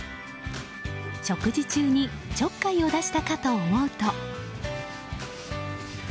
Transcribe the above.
食事中にちょっかいを出したかと思うと。